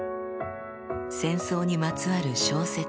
戦争にまつわる小説